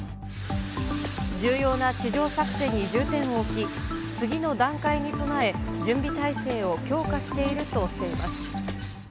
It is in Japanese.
重要な地上作戦に重点を置き、次の段階に備え準備態勢を強化しているとしています。